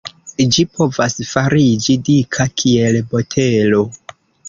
Ĝi povas fariĝi dika kiel botelo.